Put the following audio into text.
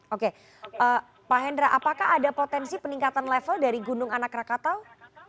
oke pak hendra apakah ada potensi peningkatan level dari gunung anak rakatau